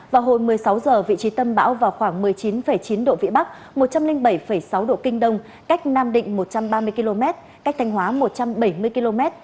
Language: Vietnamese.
vào hồi một mươi sáu h vị trí tâm bão vào khoảng một mươi chín chín độ vĩ bắc một trăm linh bảy sáu độ kinh đông cách nam định một trăm ba mươi km cách thanh hóa một trăm bảy mươi km